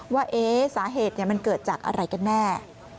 ว่าสาเหตุมันเกิดจากอะไรกันแน่